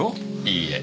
いいえ。